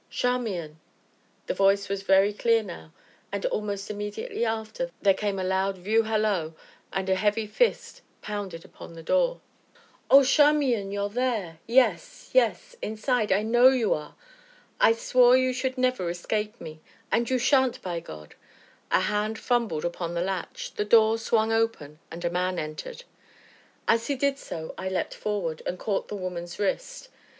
"Charmian!" The voice was very near now, and, almost immediately after, there came a loud "view hallo," and a heavy fist pounded upon the door. "Oh, Charmian, you're there yes, yes inside I know you are. I swore you should never escape me, and you sha'n't by God!" A hand fumbled upon the latch, the door swung open, and a man entered. As he did so I leapt forward, and caught the woman's wrist.